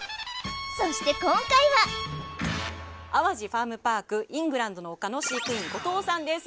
そして今回は淡路ファームパーク・イングランドの丘の飼育員後藤さんです